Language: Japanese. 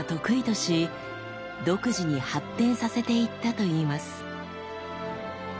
し独自に発展させていったといいます。